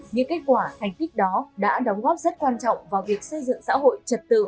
những kết quả thành tích đó đã đóng góp rất quan trọng vào việc xây dựng xã hội trật tự